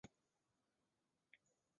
咖啡加上点心